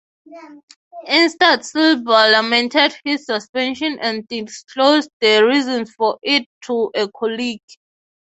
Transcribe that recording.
Instead, Silberbauer lamented his suspension and disclosed the reasons for it to a colleague.